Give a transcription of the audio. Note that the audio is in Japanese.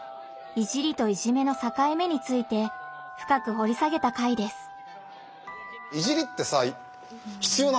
「いじり」と「いじめ」のさかい目についてふかくほり下げた回です。